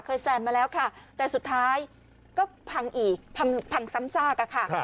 แซมมาแล้วค่ะแต่สุดท้ายก็พังอีกพังซ้ำซากอะค่ะ